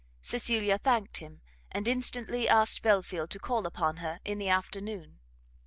Cecilia thanked him, and instantly asked Belfield to call upon her in the afternoon.